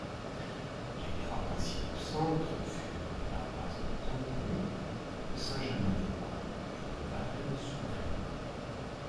Les trois principaux centres furent les paroisses de Tancon, de Saint-Germain-des-Bois et de Varennes-sous-Dun.